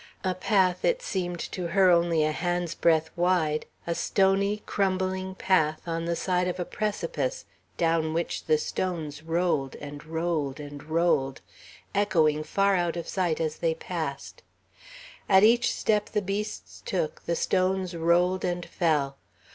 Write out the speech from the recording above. A path, it seemed to her only a hand's breadth wide, a stony, crumbling path, on the side of a precipice, down which the stones rolled, and rolled, and rolled, echoing, far out of sight, as they passed; at each step the beasts took, the stones rolled and fell.